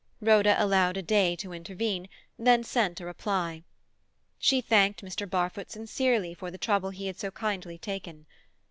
Rhoda allowed a day to intervene, then sent a reply. She thanked Mr. Barfoot sincerely for the trouble he had so kindly taken.